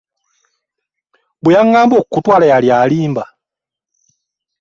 Bwe yagamba okukutwala yali alimba?